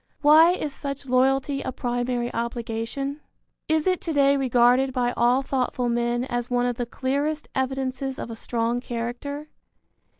Why is such loyalty a primary obligation? Is it to day regarded by all thoughtful men as one of the clearest evidences of a strong character?